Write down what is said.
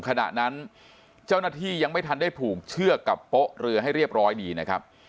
ขณะนั้นเจ้าหน้าที่ยังไม่ทันได้ผูกเชือกกับโป๊ะเรือให้เรียบร้อยดีนะครับ